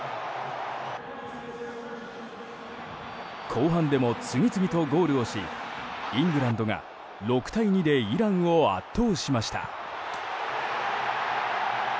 後半でも次々とゴールをしイングランドが６対２でイランを圧倒しました。